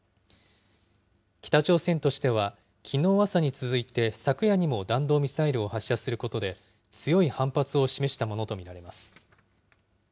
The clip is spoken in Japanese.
北朝鮮としては、きのう朝に続いて、昨夜にも弾道ミサイルを発射することで、強い反発を示したものと見られます。